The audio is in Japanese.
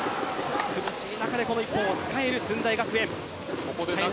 苦しい中でこの１本を使える駿台学園。